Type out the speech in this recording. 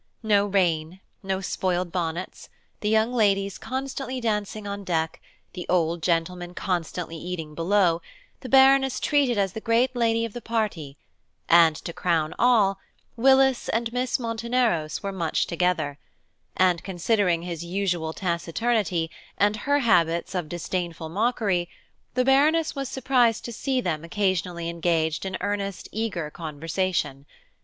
No rain, no spoiled bonnets, the young ladies constantly dancing on deck, the old gentlemen constantly eating below, the Baroness treated as the great lady of the party–and to crown all, Willis and Miss Monteneros were much together; and considering his usual taciturnity, and her habits of disdainful mockery, the Baroness was surprised to see them occasionally engaged in earnest eager conversation.